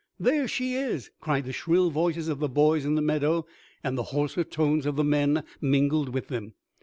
"There she is!" cried the shrill voices of the boys in the meadow, and the hoarser tones of the men mingled with them.